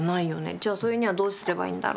じゃあそれにはどうすればいいんだろ？